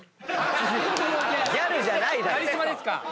ギャルじゃないだろ！